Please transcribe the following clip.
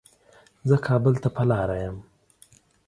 زه کابل ته په لاره يم